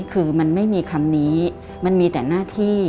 คือมันไม่มีคำนี้มันมีแต่หน้าที่